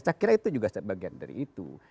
saya kira itu juga bagian dari itu